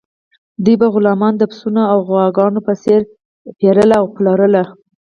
دوی به غلامان د پسونو او غواګانو په څیر پیرل او پلورل.